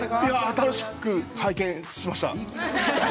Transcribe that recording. ◆楽しく拝見しました。